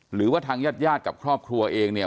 หรือว่าทางญาติญาติกับครอบครัวเองเนี่ย